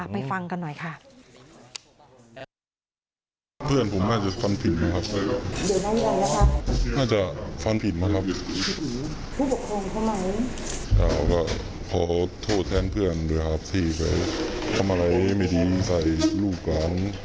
ฟังกันหน่อยค่ะ